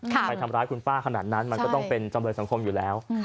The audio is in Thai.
ไปทำร้ายคุณป้าขนาดนั้นมันก็ต้องเป็นจำเลยสังคมอยู่แล้ว